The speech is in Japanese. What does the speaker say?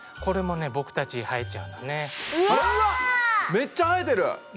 めっちゃ生えてる！